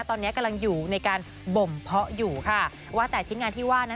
ตอนนี้กำลังอยู่ในการบ่มเพาะอยู่ค่ะว่าแต่ชิ้นงานที่ว่านั้น